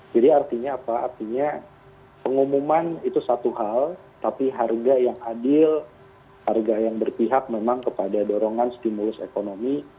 jadi artinya apa artinya pengumuman itu satu hal tapi harga yang adil harga yang berpihak memang kepada dorongan stimulus ekonomi